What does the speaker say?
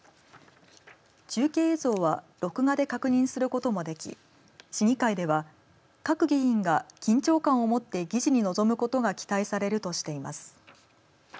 中継映像は録画で確認することもでき市議会では各議員が緊張感をもって議事に臨むことが期待されるとしています。